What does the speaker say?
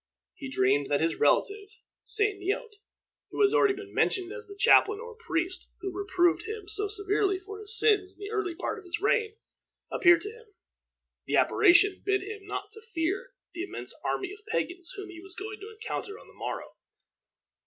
He dreamed that his relative, St. Neot, who has been already mentioned as the chaplain or priest who reproved him so severely for his sins in the early part of his reign, appeared to him. The apparition bid him not fear the immense army of pagans whom he was going to encounter on the morrow.